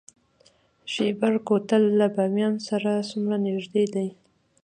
شیبر کوتل له بامیان سره څومره نږدې دی؟